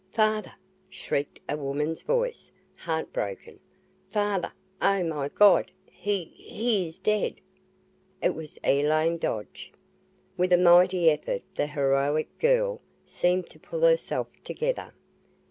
"Father!" shrieked a woman's voice, heart broken. "Father! Oh my God he he is dead!" It was Elaine Dodge. With a mighty effort, the heroic girl seemed to pull herself together.